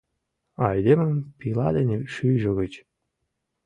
Айдемым пила дене шӱйжӧ гыч!..